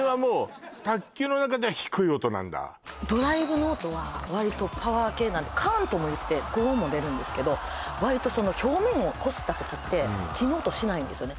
それあれはもうドライブの音は割とパワー系なんでカーンともいって高音も出るんですけど割と表面をこすった時って木の音しないんですよね